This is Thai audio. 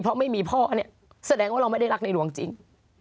เพราะไม่มีพ่อเนี่ยแสดงว่าเราไม่ได้รักในหลวงจริง